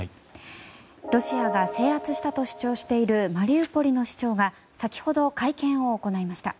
ロシアが制圧したと主張しているマリウポリの市長が先ほど会見を行いました。